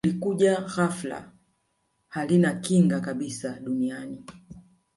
lilikuja ghafla halina kinga kabisa duniani